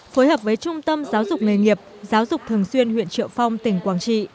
phối hợp với trung tâm giáo dục nghề nghiệp giáo dục thường xuyên huyện triệu phong tỉnh quảng trị